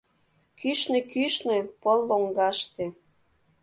Кӱшнӧ-кӱшнӧ, пыл лоҥгаштыже